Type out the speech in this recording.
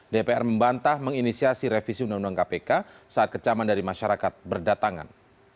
dpr membantah menginisiasi revisi undang undang kpk saat kecaman dari masyarakat berdatangan